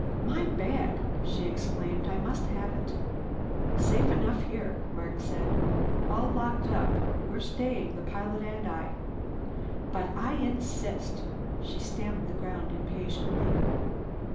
"My bag!" she exclaimed. "I must have it!" "Safe enough here," said Mark. "All locked up. We're staying, the pilot and I." "But I insist!" She stamped the ground impatiently.